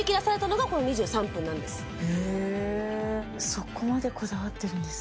そこまでこだわってるんですね